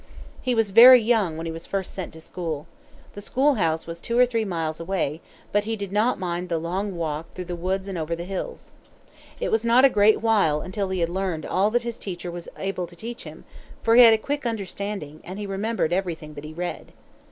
He was very young when he was first sent to school. The school house was two or three miles away, but he did not mind the long walk through the woods and over the hills. It was not a great while until he had learned all that his teacher was able to teach him; for he had a quick understanding, and he remembered everything that he read.